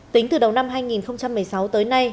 tính từ đầu năm hai nghìn một mươi sáu tới nay